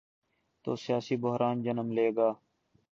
تو سیاسی بحران جنم لے گا۔